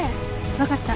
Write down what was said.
わかった。